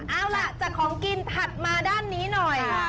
เอาล่ะจากของกินถัดมาด้านนี้หน่อยค่ะ